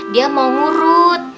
dia mau ngurut